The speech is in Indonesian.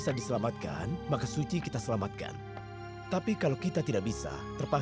suci siluman ahab pasti yang merasuki dirimu